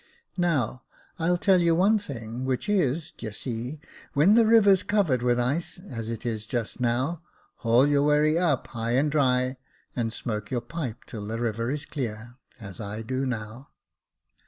Now, I'll tell you one thing, which is, d'ye see, when the river's covered with ice, as it is just now, haul your wherry up high and dry, and smoke your pipe till the river is clear, as I do now."